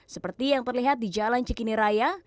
seperti yang terlihat di jalan cikini raya